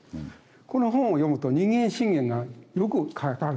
この本を読むと人間信玄がよく書かれてます。